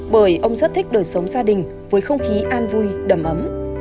bởi ông rất thích đời sống gia đình với không khí an vui đầm ấm